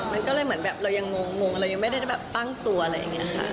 มันก็เลยเหมือนแบบเรายังงงเรายังไม่ได้แบบตั้งตัวอะไรอย่างนี้ค่ะ